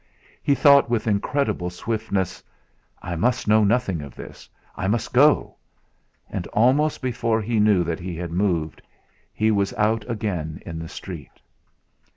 He thought with incredible swiftness: 'I must know nothing of this. I must go!' And, almost before he knew that he had moved, he was out again in the street.